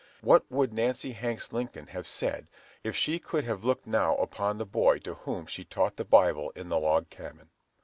What would Nancy Hanks Lincoln have said if she could have looked now upon the boy to whom she taught the Bible in the log cabin!